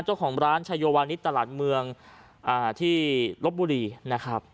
เจ้าของร้านชายโยวานิสตลาดเมืองที่ลบบุรีนะครับ